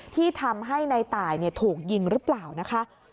ที่ทำให้ในตายถูกยิงหรือเปล่านะคะ